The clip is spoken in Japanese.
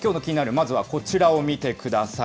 まずはこちらを見てください。